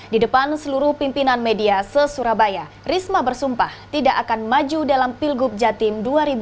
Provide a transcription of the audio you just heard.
di depan seluruh pimpinan media se surabaya risma bersumpah tidak akan maju dalam pilgub jatim dua ribu delapan belas